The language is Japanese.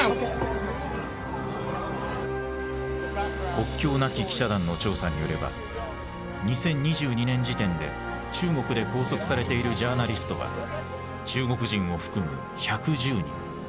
「国境なき記者団」の調査によれば２０２２年時点で中国で拘束されているジャーナリストは中国人を含む１１０人。